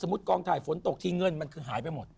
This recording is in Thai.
ถ้าสมมติกองถ่ายฝนตกที่เงินมันคือหายไปหมด